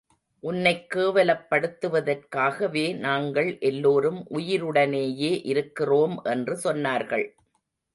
உன்னைக் கேவலப்படுத்துவதற்காகவே நாங்கள் எல்லோரும் உயிருடனேயே இருக்கிறோம் என்று சொன்னார்கள்.